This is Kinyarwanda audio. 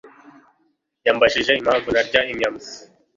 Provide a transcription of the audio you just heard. yambajije impamvu ntarya inyama.